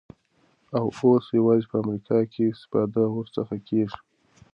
او اوس یوازی په امریکا کي استفاده ورڅخه کیږی